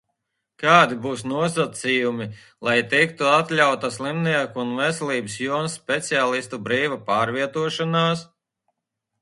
Kādi būs nosacījumi, lai tiktu atļauta slimnieku un veselības jomas speciālistu brīva pārvietošanās?